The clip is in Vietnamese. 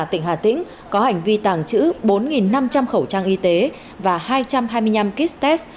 tỉnh hà tĩnh có hành vi tàng trữ bốn năm trăm linh khẩu trang y tế và hai trăm hai mươi năm kit test